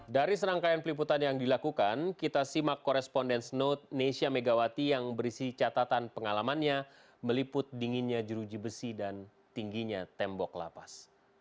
dari serangkaian peliputan yang dilakukan kita simak korespondence note nesya megawati yang berisi catatan pengalamannya meliput dinginnya jeruji besi dan tingginya tembok lapas